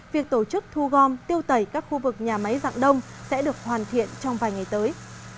việc tổ chức thu gom tiêu tẩy các khu vực nhà máy dạng đông sẽ được hoàn thiện trong vài ngày tới